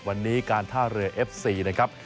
วันนี้การท่าเรือเอฟซีนะครับ